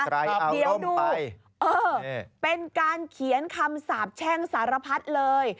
เดี๋ยวดูเออเป็นการเขียนคำสาบแช่งสารพัดเลย